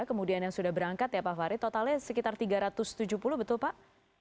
kemudian yang sudah berangkat ya pak farid totalnya sekitar tiga ratus tujuh puluh betul pak